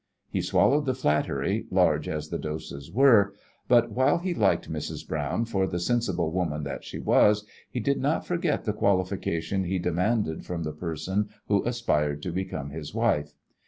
He swallowed the flattery, large as the doses were; but, while he liked Mrs. Browne for the sensible woman that she was, he did not forget the qualification he demanded from the person who aspired to become his wife.